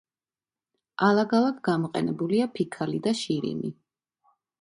ალაგ-ალაგ გამოყენებულია ფიქალი და შირიმი.